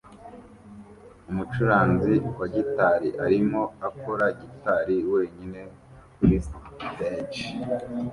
Umucuranzi wa gitari arimo akora gitari wenyine kuri stage